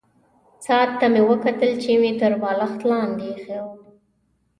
ساعت ته مې وکتل چې مې تر بالښت لاندې ایښی وو.